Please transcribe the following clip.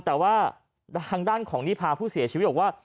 แต่ว่าทางด้านของนิพาผู้เสียชีวิตบอกว่า